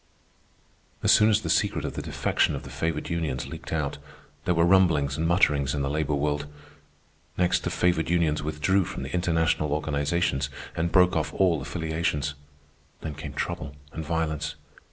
As soon as the secret of the defection of the favored unions leaked out, there were rumblings and mutterings in the labor world. Next, the favored unions withdrew from the international organizations and broke off all affiliations. Then came trouble and violence.